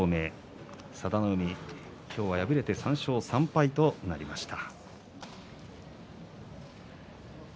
佐田の海、今日は敗れて３勝３敗になりました。